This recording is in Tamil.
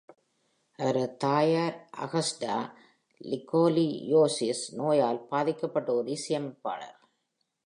அவரது தாயார் அகஸ்டா, ஸ்கோலியோசிஸ் நோயால் பாதிக்கப்பட்ட ஒரு இசையமைப்பாளர்.